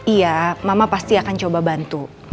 iya mama pasti akan coba bantu